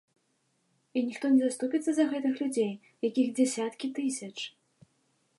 І ніхто не заступіцца за гэтых людзей, якіх дзясяткі тысяч!